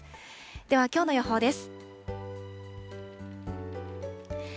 ではきょうの予報です。